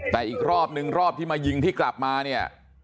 แต่อีกรอบนึงรอบที่มายิงที่กลับมาเนี่ย